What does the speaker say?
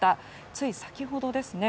つい先ほどですね。